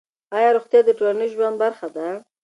آیا روغتیا د ټولنیز ژوند برخه ده؟